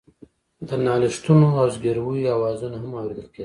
د نالښتونو او زګيرويو آوازونه هم اورېدل کېدل.